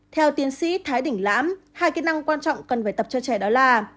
theo tiến sĩ thái đỉnh lãm hai kỹ năng quan trọng cần phải tập cho trẻ đó là